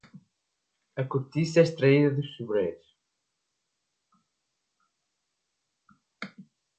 A cortiça é extraída dos sobreiros.